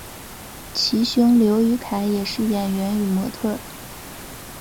其兄刘雨凯也是演员与模特儿。